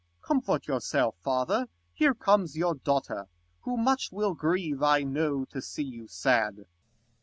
Com. Comfort yourself, Father, here comes your daughter, Who much will grieve, I know, to see you sad.